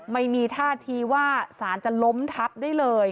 ไม่มีท่าทีว่าสารจะล้มทับได้เลย